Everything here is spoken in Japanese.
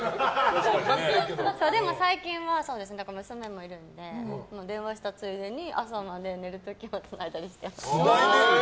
でも最近は娘もいるので電話したついでに、朝出る時までつないでたりしています。